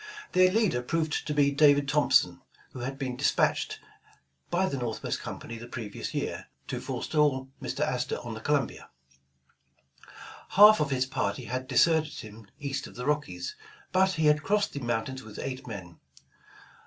Their leader proved to be David Thompson, who had been despatched by the Northwest Company the previ 164 Voyage of the Tonquin ous year, to forestall Mr. Astor on the Columbia. Half of his party had deserted him east of the Rockies, but he had crossed the mountains with eight men.